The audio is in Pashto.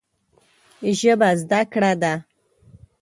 ژبه زده کړه ده